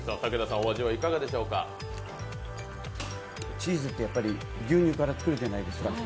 チーズって牛乳から作るじゃないですか。